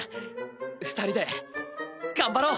二人で頑張ろう！